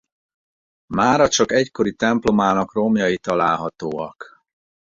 Mára csak egykori templomának romjai találhatóak.